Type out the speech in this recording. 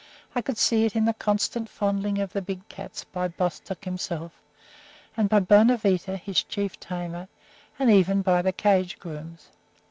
I could see it in the constant fondling of the big cats by Bostock himself, and by Bonavita, his chief tamer, and even by the cage grooms.